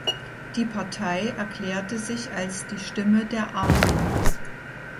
Die Partei erklärte sich als die Stimme der Armen.